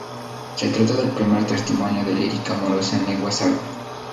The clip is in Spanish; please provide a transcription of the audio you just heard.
Se trata del primer testimonio de lírica amorosa en lengua sarda.